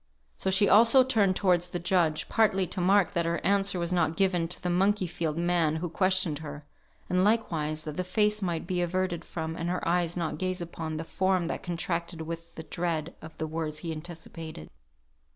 So she also turned towards the judge, partly to mark that her answer was not given to the monkeyfied man who questioned her, and likewise that her face might be averted from, and her eyes not gaze upon, the form that contracted with the dread of the words he anticipated.